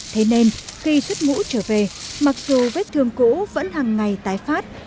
thế nên khi xuất ngũ trở về mặc dù vết thương cũ vẫn hàng ngày tái phát